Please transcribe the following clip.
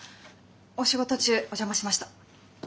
お仕事中お邪魔しました！